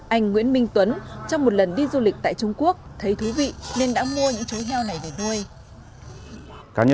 anh nguyễn minh tuấn trong một lần đi du lịch tại trung quốc thấy thú vị nên đã mua những chú heo này để nuôi